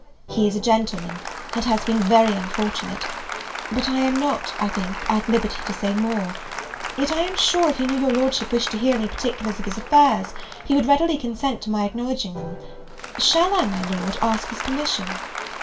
He is a gentleman, and has been very unfortunate; but I am not I think, at liberty to say more: yet I am sure, if he knew your Lordship wished to hear any particulars of his affairs, he would readily consent to my acknowledging them; shall I, my Lord, ask his permission?"